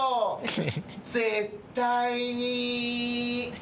絶対に。